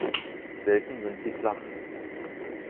Selten sind sie flach.